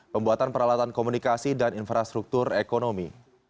pembuatan peralatan komunikasi dan infrastruktur ekonomi